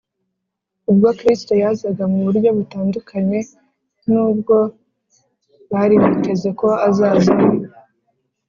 . Ubwo Kristo yazaga mu buryo butandukanye n’ubwo bari biteze ko azazamo